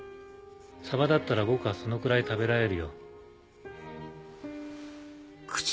サバだったら僕はそのくらい食べられるよ。